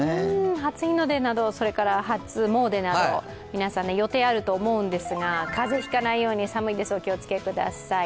初日の出、初詣など、皆さん予定あると思うんですが、風邪引かないように、お気を付けください。